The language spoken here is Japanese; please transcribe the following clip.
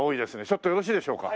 ちょっとよろしいでしょうか？